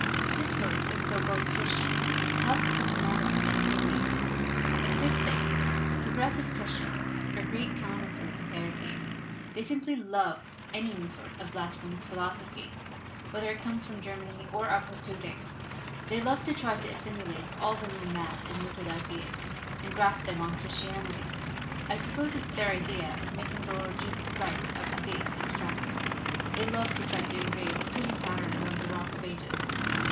"This sort of so called Christian helps Super manism in two ways. In the first place, the 1 progressive' Christians are great connoisseurs of heresy, they simply love any new sort of blas phemous philosophy, whether it comes from Ger many or Upper Tooting. They love to try to assimilate all the new mad and wicked ideas, and graft them on Christianity. I suppose it's their idea of making the Lord Jesus Christ up to date and attractive. They love to try to engrave pretty patterns on the Rock of Ages.